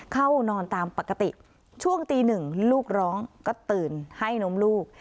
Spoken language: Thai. เข้านอนตามปกติช่วงตีหนึ่งลูกร้องก็ตื่นให้นมลูก